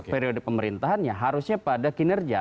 periode pemerintahannya harusnya pada kinerja